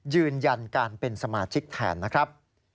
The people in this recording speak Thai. ยืนยันการเป็นสมาชิกแทนนะครับ